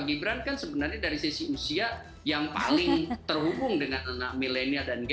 gibran kan sebenarnya dari sisi usia yang paling terhubung dengan milenial dan geng sih